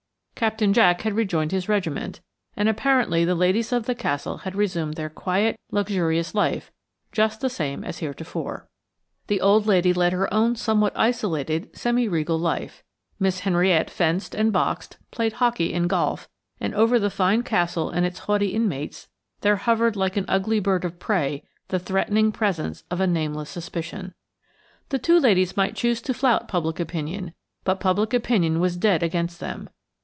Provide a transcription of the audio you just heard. Captain Jack had rejoined his regiment, and apparently the ladies of the Castle had resumed their quiet, luxurious life just the same as heretofore. The old lady led her own somewhat isolated, semi regal life; Miss Henriette fenced and boxed, played hockey and golf, and over the fine Castle and its haughty inmates there hovered like an ugly bird of prey the threatening presence of a nameless suspicion. The two ladies might choose to flout public opinion, but public opinion was dead against them.